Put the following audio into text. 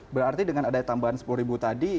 berarti dengan ada tambahan sepuluh ribu tadi